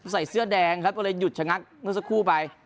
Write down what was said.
ใส่เสื้อแดงครับก็เลยหยุดชะงักเมื่อสักครู่ไป